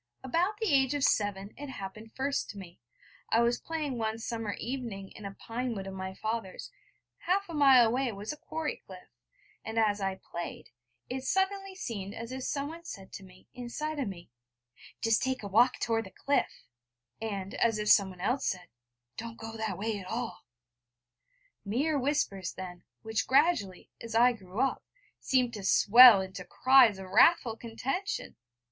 About the age of seven it happened first to me. I was playing one summer evening in a pine wood of my father's; half a mile away was a quarry cliff; and as I played, it suddenly seemed as if someone said to me, inside of me: 'Just take a walk toward the cliff'; and as if someone else said: 'Don't go that way at all' mere whispers then, which gradually, as I grew up, seemed to swell into cries of wrathful contention!